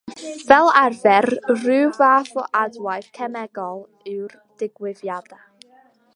Fel arfer rhyw fath o adwaith cemegol yw'r “digwyddiad”.